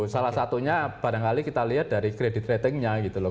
salah satunya barangkali kita lihat dari credit ratingnya gitu loh